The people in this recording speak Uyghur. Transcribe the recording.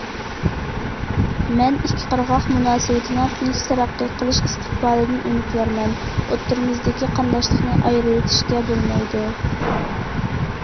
مەن ئىككى قىرغاق مۇناسىۋىتىنىڭ تىنچ تەرەققىي قىلىش ئىستىقبالىدىن ئۈمىدۋارمەن، ئوتتۇرىمىزدىكى قانداشلىقنى ئايرىۋېتىشكە بولمايدۇ.